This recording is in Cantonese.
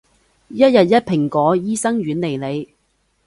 一日一蘋果，醫生遠離你